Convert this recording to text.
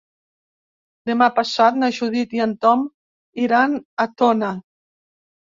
Demà passat na Judit i en Tom iran a Tona.